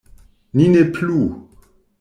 “Ni ne plu!”